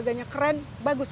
bebannya keren bagus